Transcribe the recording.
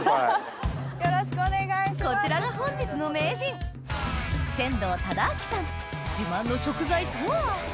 こちらが本日の自慢の食材とは？